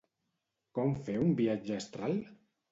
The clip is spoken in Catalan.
Com fer un viatge astral?